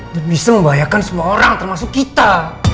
dan bisa membahayakan semua orang termasuk kita